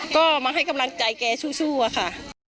ก็มาให้กำลังใจแกสู้อะค่ะ